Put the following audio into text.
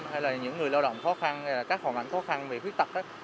hay là những người lao động khó khăn các khỏe mạnh khó khăn người khuyết tật